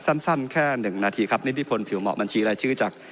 สั้นแค่๑นาทีครับนิติพลผิวเหมาะบัญชีรายชื่อจาก